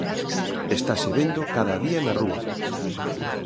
Estase vendo cada día na rúa.